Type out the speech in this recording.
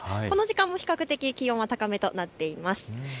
この時間も比較的気温は高めとなっています。